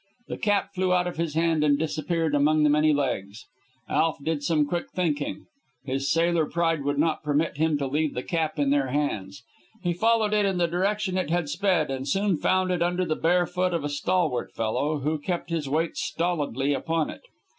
The cap flew out of his hand and disappeared among the many legs. Alf did some quick thinking; his sailor pride would not permit him to leave the cap in their hands. He followed in the direction it had sped, and soon found it under the bare foot of a stalwart fellow, who kept his weight stolidly upon it.